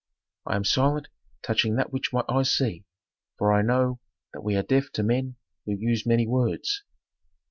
I am silent touching that which my eyes see, for I know that we are deaf to men who use many words.